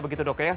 begitu dok ya